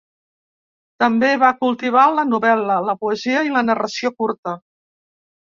També va cultivar la novel·la, la poesia i la narració curta.